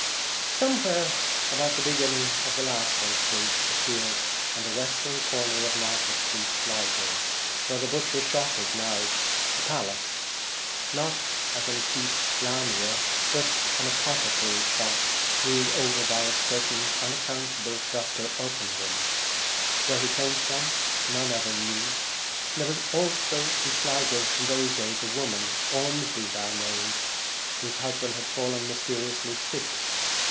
118 Somewhere about the beginning of last Kidnappers, century appeared at the western corner of Market Street, Sligo, where the butcher's shop now is, not a palace, as in Keats's Lamia, but an apothecary's shop, ruled over by a certain unaccountable Dr. Open don. Where he came from, none ever knew. There also was in Sligo, in those days, a woman, Ormsby by name, whose husband had fallen mysteriously sick.